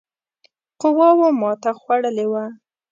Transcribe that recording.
قواوو ماته خوړلې وه.